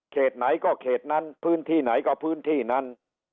ไหนก็เขตนั้นพื้นที่ไหนก็พื้นที่นั้น